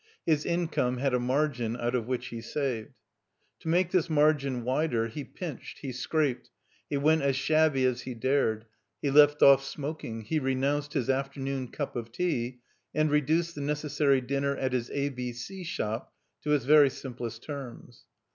His income had a margin out of which he saved. To make this margin wider he pinched, he scraped, he went as shabby as he dared, he left oflE smoking, he renounced his after noon cup of tea and reduced the necessary dinner at his A B C shop to its very simplest terms.